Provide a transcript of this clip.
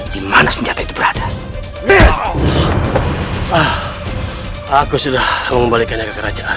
dimana senjata itu berada aku sudah membalikkan ke kerajaan